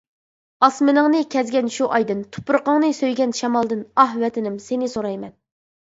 ئاسمىنىڭنى كەزگەن شۇ ئايدىن، تۇپرىقىڭنى سۆيگەن شامالدىن، ئاھ، ۋەتىنىم ، سېنى سورايمەن!